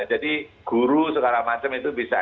jadi guru segala macam itu bisa